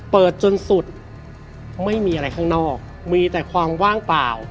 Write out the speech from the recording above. จนสุดไม่มีอะไรข้างนอกมีแต่ความว่างเปล่า